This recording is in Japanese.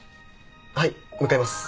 はい向かいます。